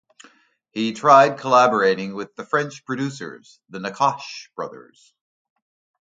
He tried collaborating with the French producers, the Nacash brothers.